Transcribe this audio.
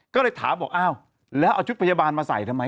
ก็เลยถามบอกอ้าวแล้วเอาชุดพยาบาลมาใส่ทำไม